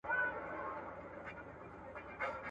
پردى کټ تر نيمو شپو دئ.